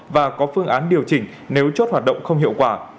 và có phương án điều chỉnh nếu chốt hoạt động không hiệu quả